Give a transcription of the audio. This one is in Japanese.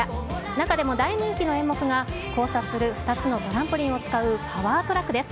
中でも大人気の演目が、交差する２つのトランポリンを使うパワートラックです。